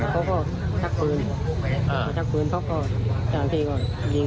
เขาก็ชักพื้นเขาก็เจ้าหน้าที่ก็ยิง